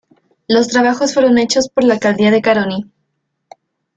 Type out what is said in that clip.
Los trabajos fueron hechos por la Alcaldía de Caroní.